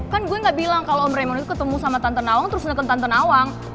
kan gue nggak bilang kalau om reymond itu ketemu sama tante nawang terus neken tante nawang